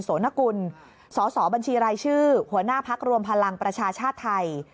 โสนกุลสอสอบัญชีรายชื่อหัวหน้าพักรวมพลังประชาชาติไทย